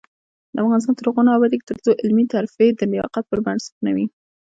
افغانستان تر هغو نه ابادیږي، ترڅو علمي ترفیع د لیاقت پر بنسټ نه وي.